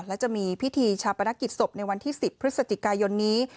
และจะมีพิธีชาปนกิจศพในวันที่๑๐พฤศจิกายนนี้